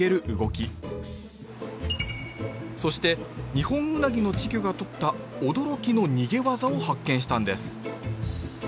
そしてニホンウナギの稚魚がとった驚きの逃げ技を発見したんです